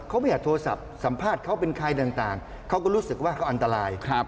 เขาไม่อยากโทรศัพท์สัมภาษณ์เขาเป็นใครต่างเขาก็รู้สึกว่าเขาอันตราย